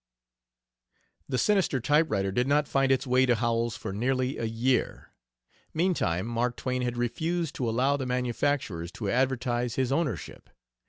The sinister typewriter did not find its way to Howells for nearly a year. Meantime, Mark Twain had refused to allow the manufacturers to advertise his ownership.